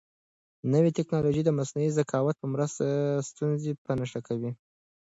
نوې تکنالوژي د مصنوعي ذکاوت په مرسته ستونزې په نښه کوي.